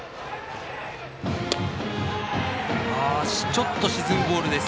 ちょっと沈むボール。